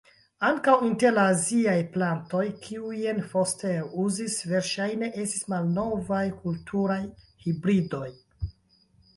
Ankaŭ inter la aziaj plantoj, kiujn Foster uzis verŝajne estis malnovaj kulturaj hibridoj.